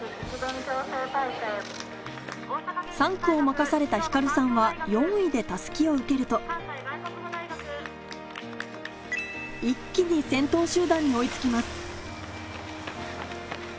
３区を任された星瑠さんは４位で襷を受けると一気に先頭集団に追い付きます